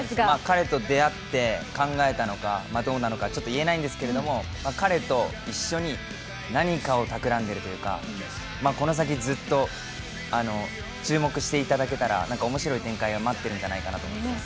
彼と出会って考えたのかどうなのかちょっと言えないんですけど、彼と一緒に何かをたくらんでいるというかこの先ずっと注目していただけたら、面白い展開が待っているんじゃないかなと思います。